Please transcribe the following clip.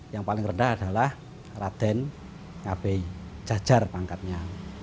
yang paling rendah adalah raden ngabei jajar pangkatnya